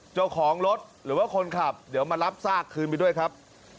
เจ้าของรถหรือว่าคนขับเดี๋ยวมารับซากคืนไปด้วยครับ